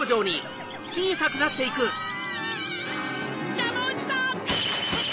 ジャムおじさん！